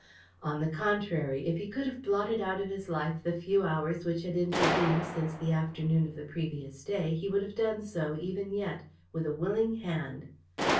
On the contrary, if he could have blotted out of his life the few hours which had intervened since the afternoon of the previous day, he would have done so, even yet, with a willing hand.